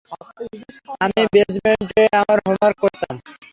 আমি বেজমেন্টে আমার হোমওয়ার্ক করতাম।